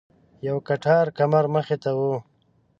یو کټار کمر مخې ته و.